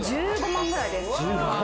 １５万くらいです。